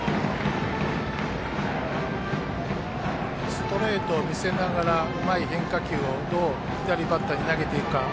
ストレートを見せながらうまい変化球をどう左バッターに投げていくか。